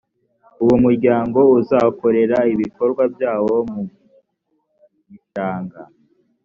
uwo muryango uzakorera ibikorwa byawo mu gishanga